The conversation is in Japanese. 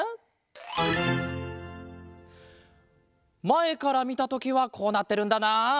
まえからみたときはこうなってるんだなあ。